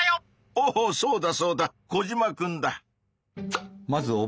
おおそうだそうだコジマくんだ。